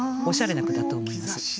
おしゃれな句だと思います。